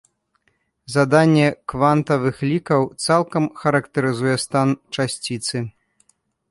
Заданне квантавых лікаў цалкам характарызуе стан часціцы.